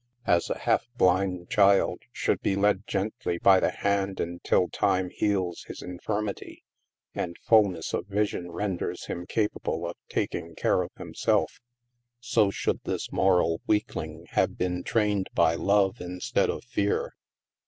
As a half blind child should be led gently by the hand until Time heals his infirmity, and full ness of vision renders him capable of taking care of himself, so should this moral weakling have been trained by love instead of fear.